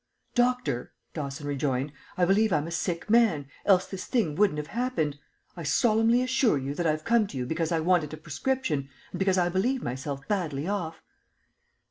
"Doctor," Dawson rejoined, "I believe I'm a sick man, else this thing wouldn't have happened. I solemnly assure you that I've come to you because I wanted a prescription, and because I believe myself badly off."